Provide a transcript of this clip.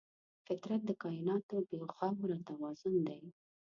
فطرت د کایناتو بېغوره توازن دی.